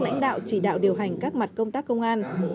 lãnh đạo chỉ đạo điều hành các mặt công tác công an